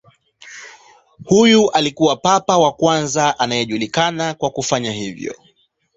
Huyu alikuwa papa wa kwanza anayejulikana kwa kufanya hivyo.